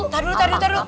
tak dulu tak dulu tak dulu